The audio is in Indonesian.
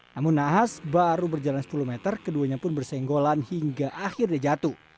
namun nahas baru berjalan sepuluh meter keduanya pun bersenggolan hingga akhirnya jatuh